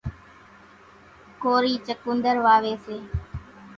ڪورِي چڪونۮر واويَ سي۔